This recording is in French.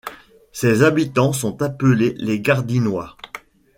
Ses habitants sont appelés les Gardinois.